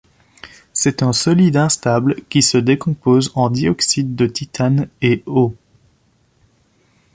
C'est un solide instable qui se décompose en dioxyde de titane et eau.